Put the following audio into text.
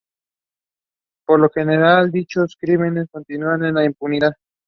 Por lo general, dichos crímenes continúan en la impunidad.